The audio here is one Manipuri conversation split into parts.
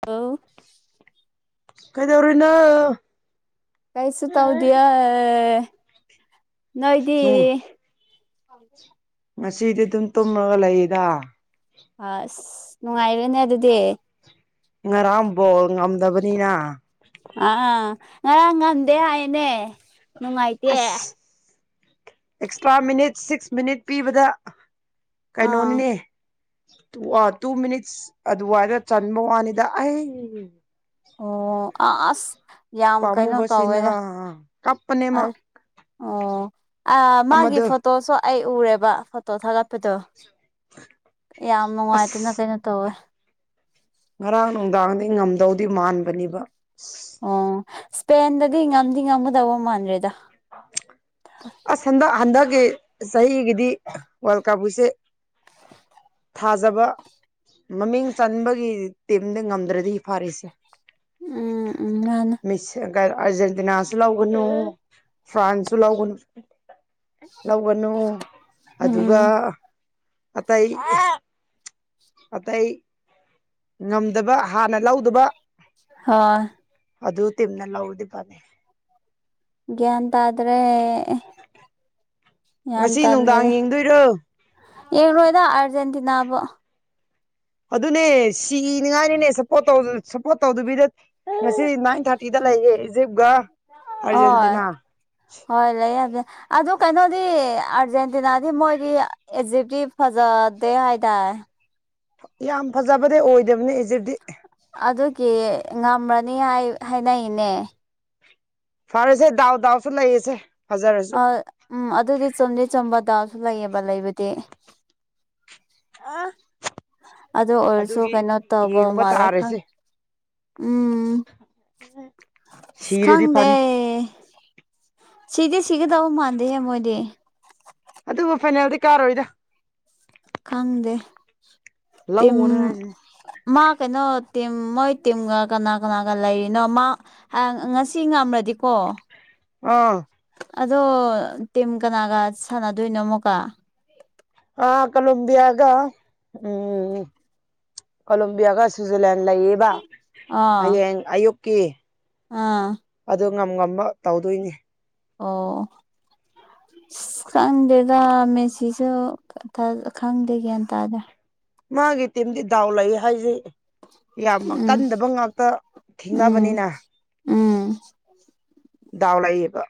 [unintelligible] ꯀꯩꯗꯧꯔꯤꯅꯣ ꯀꯩꯁꯨ ꯇꯧꯗꯤꯌꯥ ꯅꯣꯏꯗꯤ ꯎꯝ [unintelligible] ꯉꯁꯤꯗꯤ ꯑꯗꯨꯝ ꯇꯨꯝꯃꯒ ꯂꯩꯌꯦꯗ ꯑꯁ ꯅꯨꯡꯉꯥꯏꯔꯦꯅꯦ ꯑꯗꯨꯗꯤ ꯉꯔꯥꯡ ꯕꯣꯜ ꯉꯝꯗꯕꯅꯤꯅ ꯑꯥ ꯉꯔꯥꯡ ꯉꯝꯗꯦ ꯍꯥꯏꯅꯦ ꯅꯨꯡꯉꯥꯏꯇ ꯑꯁ ꯑꯦꯛꯁꯇ꯭ꯔꯥ ꯃꯤꯅꯤꯠ ꯁꯤꯛꯁ ꯃꯤꯅꯤꯠ ꯄꯤꯕꯗ ꯑꯥ ꯀꯩꯅꯣꯅꯤꯅꯦ ꯨꯇꯨ ꯃꯤꯅꯤꯠꯁ ꯑꯗꯨꯋꯥꯏꯗ ꯆꯟꯕ ꯋꯥꯅꯤꯗ ꯑꯩ ꯑꯣ ꯑꯁ ꯌꯥꯝ ꯀꯩꯅꯣ ꯄꯥꯝꯃꯨꯕꯁꯤꯅ ꯇꯧꯋꯦꯗ ꯀꯞꯄꯅꯦꯃ ꯑꯣ ꯑ ꯃꯥꯒꯤ ꯑꯃꯗꯣ ꯐꯣꯇꯣꯁꯨ ꯑꯩ ꯎꯔꯦꯕ ꯐꯣꯇꯣ ꯊꯥꯒꯠꯄꯗꯣ ꯌꯥꯝ ꯅꯨꯡꯉꯥꯏꯇꯅ ꯑꯁ ꯀꯩꯅꯣ ꯇꯧꯋꯦ ꯉꯔꯥꯡ ꯅꯨꯡꯗꯥꯡꯗꯤ ꯉꯝꯗꯧꯗꯤ ꯃꯥꯟꯕꯅꯤꯕ ꯑꯣ ꯏꯁꯄꯦꯟꯗꯗꯤ ꯉꯝꯗꯤ ꯉꯝꯒꯗꯧꯕ ꯃꯥꯟꯗ꯭ꯔꯦꯗ [inaudible] ꯑꯁ ꯍꯟꯗꯛ ꯍꯟꯗꯛꯀꯤ ꯆꯍꯤꯒꯤꯗꯤ ꯋꯥꯔꯜ ꯀꯞꯕꯨꯁꯦ ꯊꯥꯖꯕ ꯃꯃꯤꯡ ꯆꯟꯕꯒꯤ ꯇꯤꯝꯗꯤ ꯉꯝꯗ꯭ꯔꯗꯤ ꯐꯥꯔꯤꯁꯦ ꯎꯝ ꯎꯝ ꯃꯥꯅ [unintelligible] ꯑꯔꯖꯦꯟꯇꯤꯅꯥꯁꯨ ꯂꯧꯒꯅꯨ ꯐ꯭ꯔꯥꯟꯁꯁꯨ ꯂꯧꯒꯅꯨ ꯂꯧꯒꯅꯨ ꯑꯗꯨꯒ ꯎꯝ ꯑꯇꯩ [unintelligible] ꯑꯇꯩ ꯉꯝꯗꯕ ꯍꯥꯟꯅ ꯂꯧꯗꯕ ꯍꯣꯏ ꯑꯗꯨ ꯇꯤꯝꯅ ꯂꯧꯔꯗꯤ ꯐꯅꯤ ꯒ꯭ꯌꯥꯟ ꯇꯥꯗ꯭ꯔꯦ ꯌꯥꯝ ꯉꯁꯤ ꯅꯨꯡꯗꯥꯡ ꯇꯜꯂꯦꯗ ꯌꯦꯡꯗꯣꯏꯔꯣ ꯌꯦꯡꯔꯣꯏꯗ ꯑꯔꯖꯦꯟꯇꯤꯅꯥꯕꯨ ꯑꯗꯨꯅꯦ ꯁꯤꯅꯤꯉꯥꯏꯅꯤꯅꯦ ꯁꯞꯄꯣꯔꯠ ꯁꯞꯄꯣꯔꯠ ꯇꯧꯗꯕꯤꯗ ꯉꯁꯤ ꯅꯥꯏꯟ ꯊꯥꯔꯇꯤꯗ ꯂꯩꯌꯦ ꯏꯖꯤꯞꯒ ꯍꯣꯏ ꯍꯣꯏ ꯂꯩ [unintelligible] ꯑꯗꯨ ꯀꯩꯅꯣꯗꯤ ꯑꯥꯔꯖꯦꯟꯇꯤꯅꯥꯗꯤ ꯃꯣꯏꯒꯤ ꯑꯦꯖꯤꯞꯤ ꯐꯖꯗꯦ ꯍꯥꯏꯗꯥꯏ ꯌꯥꯝ ꯐꯖꯕꯗꯤ ꯑꯣꯏꯗꯕꯅꯦ ꯏꯖꯤꯞꯗꯤ ꯑꯗꯨꯒꯤ ꯉꯝꯃꯅꯤ ꯍꯥꯏꯅꯩꯅꯦ ꯐꯔꯦꯁꯦ ꯗꯥꯎꯗꯥꯎꯁꯨ ꯂꯩꯌꯦꯁꯦ ꯐꯖꯔꯁꯨ ꯑ ꯎꯝ ꯑꯗꯨꯗꯤ ꯆꯨꯝꯗꯤ ꯆꯨꯝꯕ ꯗꯥꯎꯁꯨ ꯂꯩꯌꯦꯕ ꯂꯩꯕꯗꯤ ꯑꯗꯣ ꯑꯣꯏꯔꯁꯨ ꯑꯗꯨꯒꯤ ꯀꯩꯅꯣ ꯇꯧꯕ ꯌꯦꯡꯕ ꯃꯥꯂ ꯈꯪ ꯇꯥꯔꯦꯁꯦ ꯎꯝ ꯑꯁ ꯁꯤꯔꯗꯤ ꯈꯪꯗꯦ ꯐꯅꯤ ꯁꯤꯗꯤ ꯁꯤꯒꯗꯧ ꯃꯥꯟꯗꯦꯍꯦ ꯃꯣꯏꯗꯤ ꯑꯗꯨꯕꯨ ꯐꯥꯏꯅꯥꯜꯗꯤ ꯀꯥꯔꯣꯏꯗ ꯈꯪꯗꯦ ꯇꯤꯝ ꯂꯧꯑꯣꯅ ꯍꯥꯏꯁꯤꯅꯦ ꯃꯥ ꯀꯩꯅꯣ ꯇꯤꯝ ꯃꯣꯏ ꯇꯤꯝꯒ ꯀꯅꯥ ꯀꯅꯥꯒ ꯂꯩꯔꯤꯅꯣ ꯃꯥ ꯑ ꯉꯁꯤ ꯉꯝꯂꯗꯤꯀꯣ ꯑꯥ ꯑꯗꯣ ꯇꯤꯝ ꯀꯅꯥꯒ ꯁꯥꯟꯅꯗꯣꯏꯅꯣ ꯑꯃꯨꯛꯀ ꯑ ꯀꯂꯝꯕ ꯌꯥꯒ ꯎꯝ ꯀꯂꯦꯝꯕꯤꯤꯌꯥꯒ ꯁ꯭ꯤꯖꯔꯂꯦꯟ ꯂꯑꯕ ꯑꯥ ꯍꯌꯦꯡ ꯑꯌꯨꯛꯀꯤ ꯑꯥ ꯑꯗꯨ ꯉꯝ ꯉꯝꯕ ꯇꯧꯗꯣꯏꯅꯤ ꯑꯣ ꯑꯁ ꯈꯪꯗꯦꯗ ꯃꯦꯁꯤꯤꯁꯨ ꯈꯪꯗꯦ ꯒ꯭ꯌꯥꯟ ꯇꯥꯗ꯭ꯔ ꯃꯥꯒꯤ ꯇꯤꯝꯗꯤ ꯗꯥꯎ ꯂꯩ ꯍꯥꯏꯁꯩ ꯌꯥꯝ ꯎꯝ ꯀꯟꯗꯕ ꯉꯥꯛꯇ ꯎꯝ ꯊꯦꯡꯅꯕꯅꯤꯅ ꯎꯝ ꯗꯗꯥꯥꯎ ꯂꯩꯌꯦꯕ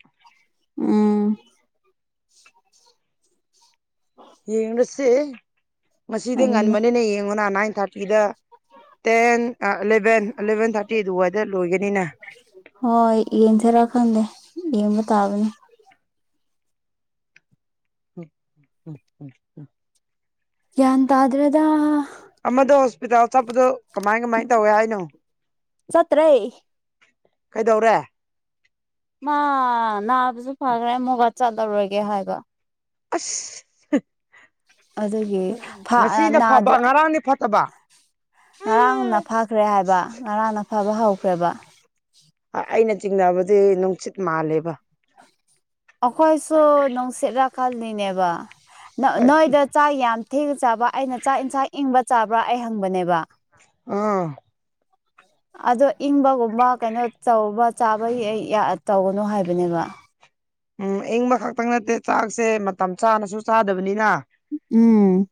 ꯎꯝ ꯌꯦ ꯁꯤ ꯃꯁꯤꯗꯤ ꯑꯗꯨꯅꯦ ꯉꯟꯕꯅꯤꯅꯦ ꯌꯦꯡꯉꯨꯅ ꯅꯥꯏꯟ ꯊꯥꯔꯇꯤꯗ ꯇꯦꯟ ꯑꯦꯂꯚꯦꯟ ꯑꯦꯂꯚꯦꯟ ꯊꯥꯔꯇꯤ ꯑꯗꯨꯋꯥꯏꯗ ꯂꯣꯏꯒꯅꯤꯅ ꯍꯣꯏ ꯌꯦꯡꯊꯔꯛꯀꯥꯟꯗꯦ ꯌꯦꯡꯕ ꯇꯥꯕꯅꯤ ꯎꯝ ꯎꯝ ꯎꯝ ꯎꯝ ꯌꯥ ꯇꯗ꯭ꯔꯗ ꯑꯃꯗ ꯍꯣꯁꯄꯤꯇꯥꯜ ꯆꯠꯄꯗꯣ ꯀꯃꯥꯏ ꯀꯃꯥꯏꯅ ꯇꯧꯏꯦ ꯍꯥꯏꯅꯣ ꯆꯠꯇ꯭ꯔꯦ ꯀꯩꯗꯧꯔꯦ ꯃꯥ ꯅꯥꯕꯁꯨ ꯐꯈ꯭ꯔꯦ ꯃꯨꯒꯥ ꯆꯠꯂꯔꯒꯦ ꯍꯥꯏꯕ ꯑꯁ ꯑꯗꯨꯒꯤ ꯉꯁꯤꯅ ꯐꯕ ꯅꯥꯗ꯭ꯔ ꯉꯔꯥꯡꯗꯤ ꯐꯠꯇꯕ ꯉꯔꯥꯡꯅ ꯐꯈ꯭ꯔꯦ ꯍꯥꯏꯕ ꯉꯔꯥꯡꯅ ꯐꯕ ꯍꯧꯈ꯭ꯔꯦꯕ ꯑꯩꯅ ꯆꯤꯡꯅꯕꯗꯤ ꯅꯨꯡꯁꯤꯠ ꯃꯥꯜꯂꯦꯕ ꯑꯩꯈꯣꯏꯁꯨꯣ ꯅꯨꯡꯁꯤꯠ ꯔꯀꯥꯜꯅꯤꯅꯦꯕ ꯅꯣꯏꯗ ꯆꯥꯛ ꯌꯥꯝ ꯊꯦꯡꯅ ꯆꯥꯕ ꯑꯩꯅ ꯆꯥꯛ ꯏꯟꯁꯥꯡ ꯏꯪꯕ ꯆꯥꯕ꯭ꯔꯥ ꯑꯩ ꯍꯪꯕꯅꯦꯕ ꯑꯥ ꯑꯗꯣ ꯏꯪꯕꯒꯨꯝꯕ ꯀꯩꯅꯣ ꯇꯧꯕ ꯆꯥꯕꯒꯤ ꯇꯧꯒꯅꯨ ꯍꯥꯏꯕꯅꯦꯕ ꯎꯝ ꯏꯪꯕ ꯈꯛꯇꯪ ꯅꯠꯇꯦ ꯆꯥꯛꯁꯦ ꯃꯇꯝ ꯆꯥꯅꯁꯨ ꯆꯥꯗꯕꯅꯤꯅ ꯎꯝ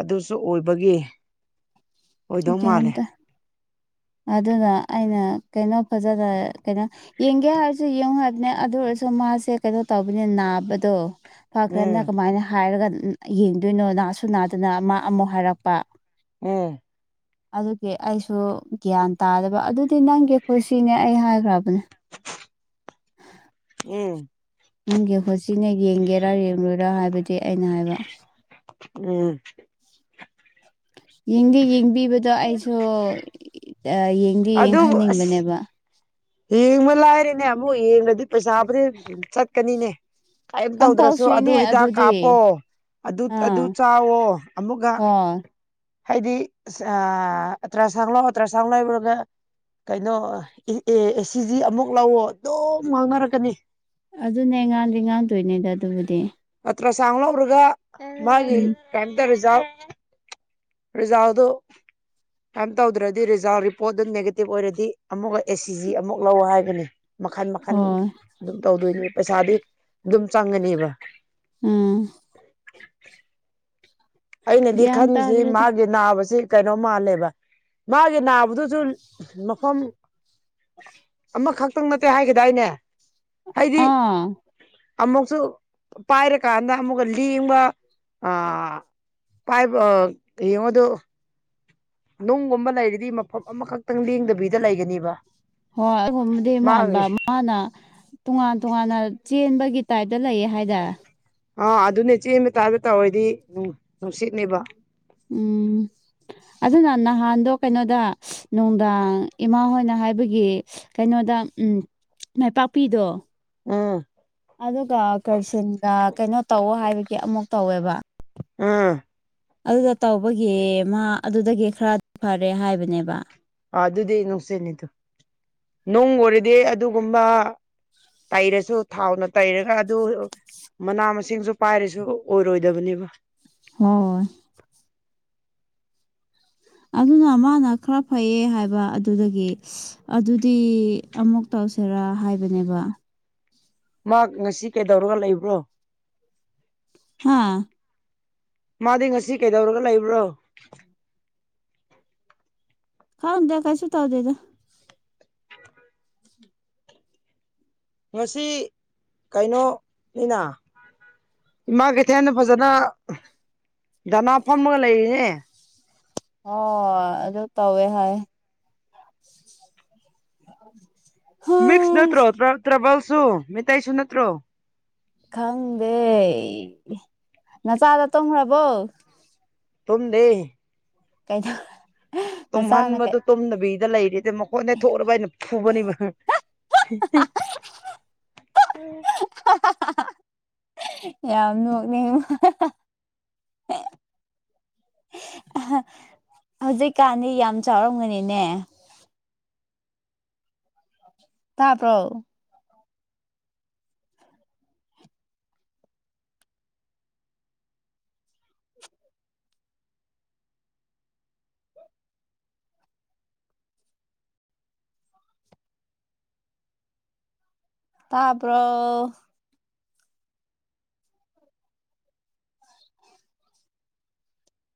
ꯑꯗꯨꯁꯨ ꯑꯣꯏꯕꯒꯤ ꯑꯣꯏꯗꯧ ꯒ꯭ꯌꯥꯟ ꯃꯥꯜꯂꯦ ꯇ ꯑꯗꯨꯅ ꯑꯩꯅ ꯀꯩꯅꯣ ꯐꯖꯅ ꯀꯩꯅꯣ ꯌꯦꯡꯒꯦ ꯍꯥꯏꯔꯁꯨ ꯌꯦꯡꯉꯨ ꯍꯥꯏꯕꯅꯦ ꯑꯗꯨ ꯑꯣꯏꯔꯁꯨ ꯃꯥꯁꯦ ꯀꯩꯅꯣ ꯇꯧꯕꯅꯦ ꯅꯥꯕꯗꯣ ꯎꯝ ꯐꯥꯛꯇꯅ ꯀꯃꯥꯏꯅ ꯍꯥꯏꯔꯒ ꯌꯦꯡꯗꯣꯏꯅꯣ ꯅꯥꯁꯨ ꯅꯥꯗꯅ ꯃꯥ ꯑꯃꯨꯛ ꯍꯥꯏꯔꯛꯄ ꯎꯝ ꯑꯗꯨꯒꯤ ꯑꯩꯁꯨ ꯒ꯭ꯌꯥꯟ ꯇꯥꯗꯕ ꯑꯗꯨꯗꯤ ꯅꯪꯒꯤ ꯈꯨꯁꯤꯅꯦ ꯑꯩ ꯍꯥꯏꯈ꯭ꯔꯕꯅꯦ ꯎꯝ ꯅꯪꯒꯤ ꯍꯣꯠꯁꯤꯅꯦ ꯌꯦꯡꯒꯦꯔꯥ ꯌꯦꯡꯂꯡꯣꯏꯔꯥ ꯍꯥꯏꯕꯗꯤ ꯑꯩꯅ ꯍꯥꯏꯕ ꯎꯝ ꯌꯦꯡꯗꯤ ꯌꯦꯡꯕꯤꯕꯗꯣ ꯑꯩꯁꯨ ꯌꯦꯡꯗꯤ ꯑꯗꯨꯕꯨ ꯑꯁ ꯌꯦꯡꯍꯟꯅꯤꯡꯕꯅꯦꯕ ꯌꯦꯡꯕ ꯂꯥꯏꯔꯦꯅꯦ ꯑꯃꯨꯛ ꯌꯦꯡꯉꯗꯤ ꯄꯩꯁꯥꯕꯨꯗꯤ ꯆꯠꯀꯅꯤꯅꯦ ꯀꯔꯤꯝ ꯇꯧꯗ꯭ꯔꯁꯨ ꯑꯗꯨ ꯀꯝꯄꯜꯁꯔꯤꯅꯦ ꯍꯤꯗꯥꯛ ꯑꯗꯨꯗꯤ ꯀꯥꯞꯄꯣ ꯑꯗꯨ ꯑꯗꯨ ꯑꯥ ꯆꯥꯋꯣ ꯑꯃꯨꯛꯀ ꯍꯣꯏ ꯍꯥꯏꯗꯤ ꯇ꯭ꯔꯁꯥꯡ ꯂꯑꯣ ꯇ꯭ꯔꯁꯥꯡ ꯂꯨꯔꯒ ꯀꯩꯅꯣ ꯑꯦ ꯑꯦ ꯁꯤꯖꯤ ꯑꯃꯨꯛ ꯂꯥꯛꯑꯣ ꯑꯗꯨꯝ ꯉꯥꯡꯅꯔꯛꯀꯅꯤ ꯑꯗꯨꯅꯦ ꯉꯥꯡꯗ ꯉꯥꯡꯗꯣꯏꯅꯦꯗ ꯑꯗꯨꯕꯨꯗꯤ ꯑꯠꯇ꯭ꯔ ꯆꯥꯡꯒꯂꯣ ꯃꯔꯒ ꯃꯥꯒꯤ ꯎꯝ ꯀꯇ ꯔꯔꯤꯖꯥ ꯔꯤꯖꯥꯎꯗꯣ ꯀꯝ ꯇꯧꯗ꯭ꯔꯗꯤ ꯔꯤꯖꯜꯠ ꯔꯤꯄꯣꯔꯠ ꯑꯗꯨ ꯅꯦꯒꯦꯇꯤꯚ ꯑꯣꯏꯔꯗꯤ ꯑꯃꯨꯛꯀ ꯑꯦ ꯁꯤ ꯖꯤ ꯑꯃꯨꯛ ꯂꯧ ꯍꯥꯏꯕꯅꯤ ꯃꯈꯟ ꯃꯈꯟ ꯍꯣꯏ ꯑꯗꯨꯝ ꯇꯧꯗꯣꯏꯅꯤ ꯄꯩꯁꯥꯗꯤ ꯑꯗꯨꯝ ꯆꯪꯒꯅꯦꯕ ꯎꯝ ꯑꯩꯅꯗꯤ ꯒ꯭ꯌꯥꯟ ꯈꯟꯕꯁꯤ ꯇꯥꯗ꯭ꯔꯦꯗ ꯃꯥꯒꯤ ꯅꯥꯕꯁꯤ ꯀꯩꯅꯣ ꯃꯥꯜꯂꯦꯕ ꯃꯥꯒꯤ ꯅꯥꯕꯗꯨꯁꯨ ꯃꯐꯝ ꯑꯃꯈꯛꯇꯪ ꯅꯠꯇꯦ ꯍꯥꯏꯒꯗꯏꯅꯦ ꯍꯥꯏꯗꯤ ꯑꯥ ꯑꯃꯨꯛꯁꯨ ꯄꯥꯏꯔꯀꯥꯟꯗ ꯑꯃꯨꯛꯀ ꯂꯦꯡꯕ ꯑ ꯄꯥꯏꯕ ꯌꯦꯡꯉꯗ ꯅꯨꯡꯒꯨꯝꯕ ꯂꯩꯔꯗꯤ ꯃꯐꯝ ꯑꯃꯈꯛꯇꯪ ꯂꯦꯡꯗꯕꯤꯗ ꯂꯩꯒꯅꯤꯕ ꯍꯣꯏ ꯑꯗꯨꯒꯨꯝꯕꯗꯤ ꯃꯥꯟꯕ ꯃꯥꯒꯤ ꯃꯥꯅ ꯇꯣꯉꯥꯟ ꯇꯣꯉꯥꯟꯅ ꯆꯦꯟꯕꯒꯤ ꯇꯥꯏꯞꯇ ꯂꯩꯌꯦ ꯍꯥꯏ ꯗ ꯑꯥ ꯑꯗꯨꯅꯦ ꯆꯦꯟꯕ ꯇꯥꯕ ꯇꯧꯔꯗꯤ ꯅꯨꯡꯁꯤꯠꯅꯦꯕ ꯎꯝ ꯑꯗꯨꯅ ꯅꯍꯥꯟꯗꯣ ꯀꯩꯅꯣꯗ ꯅꯨꯡꯗꯥꯡ ꯏꯃꯥ ꯍꯣꯏꯅ ꯍꯥꯏꯕꯒꯤ ꯀꯩꯅꯣꯗ ꯎꯝ ꯃꯥꯏꯄꯥꯛꯄꯤꯗꯣ ꯎꯝ ꯑꯗꯨꯒ ꯀꯩꯁꯤꯜꯒ ꯀꯩꯅꯣ ꯇꯧ ꯍꯥꯏꯕꯒꯤ ꯑꯃꯨꯛ ꯇꯧꯋꯦꯕ ꯎꯝ ꯑꯗꯨꯗ ꯇꯧꯕꯒꯤ ꯃꯥ ꯑꯗꯨꯗꯒꯤ ꯈꯔ ꯐꯔꯦ ꯍꯥꯏꯕꯅꯦꯕ ꯑ ꯑꯗꯨꯗꯤ ꯅꯨꯡꯁꯤꯠꯅꯤꯗ ꯅꯣꯡ ꯑꯣꯏꯔꯗꯤ ꯑꯗꯨꯒꯨꯝꯕ ꯇꯩꯔꯁꯨ ꯊꯥꯎꯅ ꯇꯩꯔꯒ ꯑꯗꯨ ꯃꯅꯥ ꯃꯁꯤꯡꯁꯨ ꯄꯥꯏꯔꯁꯨ ꯑꯣꯏꯔꯣꯏꯗꯕꯅꯦꯕ ꯍꯣꯏ ꯑꯗꯨꯅ ꯃꯥꯅ ꯈꯔ ꯐꯩꯌꯦ ꯍꯥꯏꯕ ꯑꯗꯨꯗꯒꯤ ꯑꯗꯨꯗꯤ ꯑꯃꯨꯛ ꯇꯧꯁꯤꯔꯥ ꯍꯥꯏꯕꯅꯦꯕ ꯃꯥ ꯉꯁꯤ ꯀꯩꯗꯧꯔꯒ ꯂꯩꯕ꯭ꯔꯣ ꯍꯥꯥ ꯃꯥꯗꯤ ꯉꯁꯤ ꯀꯩꯗꯧꯔꯒ ꯂꯩꯕ꯭ꯔꯣ ꯈꯥꯎꯗꯦ ꯀꯥꯏꯁꯨ ꯇꯥꯎꯗꯦꯗ ꯉꯁꯤ ꯀꯩꯅꯣꯅꯤꯅ ꯏꯃꯥ ꯀꯩꯊꯦꯜꯅ ꯐꯖꯅ ꯗꯅꯥ ꯐꯝꯃꯒ ꯂꯩꯔꯤꯅꯦ ꯑꯣ ꯑꯗꯨ ꯇꯧꯋꯦ ꯍꯥꯏ ꯃꯤꯛꯁ ꯅꯠꯇ꯭ꯔꯣ ꯍꯁ ꯇ꯭ꯔꯥꯕꯜꯁꯨ ꯃꯤꯇꯩꯁꯨ ꯅꯠꯇ꯭ꯔꯣ ꯈꯪꯗꯦ ꯅꯆꯥꯗ ꯇꯣꯡꯈ꯭ꯔꯕꯣ ꯇꯨꯡꯗꯤ [unintelligible] ꯅꯆꯥꯅ ꯀꯩ ꯇꯨꯝꯍꯟꯕꯗꯨ ꯇꯨꯝꯗꯕꯤꯗ ꯂꯩꯔꯤꯗ ꯃꯈꯣꯏꯗ ꯊꯣꯛꯔꯕ ꯑꯩꯅ ꯐꯨꯕꯅꯤꯕ [unintelligible] ꯌꯥꯝ ꯅꯣꯛꯅꯤꯡꯕ [unintelligible] ꯍꯧꯖꯤꯛꯀꯥꯟꯗꯤ ꯌꯥꯝ ꯆꯥꯎꯔꯝꯒꯅꯤꯅꯦ ꯇꯥꯄ꯭ꯔꯣ ꯇꯄ꯭ꯔꯣ